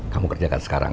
kamu kerjakan sekarang ya